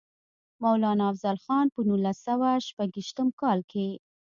مولانا افضل خان پۀ نولس سوه شپږيشتم کال کښې